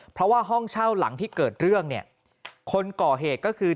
เพราะว่าห้องเช่าหลังที่เกิดเรื่องเนี่ยคนก่อเหตุก็คือ